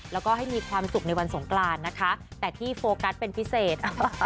แล้วก็ให้มีความสุขในวันสงกรานนะคะแต่ที่โฟกัสเป็นพิเศษ